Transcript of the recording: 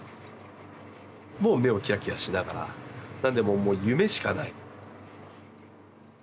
もう目をキラキラしながらなんでもう夢しかない。